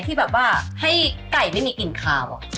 ที่แบบว่าให้ไก่ไม่มีกลิ่นคาว